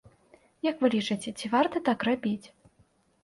Як вы лічыце, ці варта так рабіць?